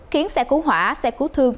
khiến xe cứu hỏa xe cứu thương